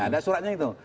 ada suratnya gitu